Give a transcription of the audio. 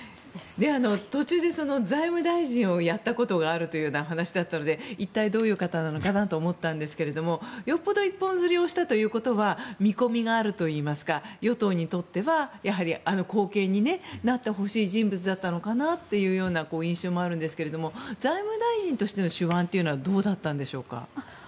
途中で財務大臣をやったことがあるという話だったので一体どういう方なのかなと思ったんですがよっぽど一本釣りをしたということは見込みがあるといいますか与党にとっては後継になってほしい人物だったのかなという印象もあるんですが財務大臣としての手腕はどうだったんでしょうか。